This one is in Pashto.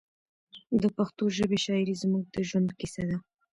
د پښتو ژبې شاعري زموږ د ژوند کیسه ده.